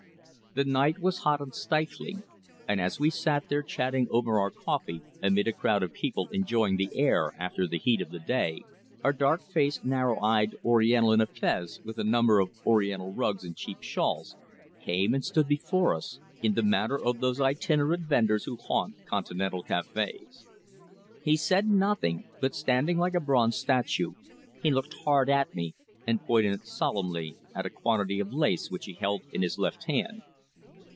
The night was hot and stifling, and as we sat there chatting over our coffee amid a crowd of people enjoying the air after the heat of the day, a dark faced, narrow eyed Oriental in a fez, with a number of Oriental rugs and cheap shawls, came and stood before us, in the manner of those itinerant vendors who haunt Continental cafés. He said nothing, but, standing like a bronze statue, he looked hard at me and pointed solemnly at a quantity of lace which he held in his left hand.